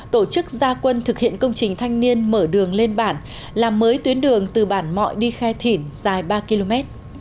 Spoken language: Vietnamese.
tổ chức gia quân thực hiện công trình thanh niên mở đường lên bản làm mới tuyến đường từ bản mọi đi khai thỉn dài ba km